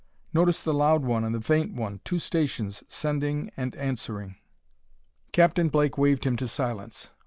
Notice the loud one and the faint one; two stations sending and answering." Captain Blake waved him to silence.